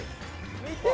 見て！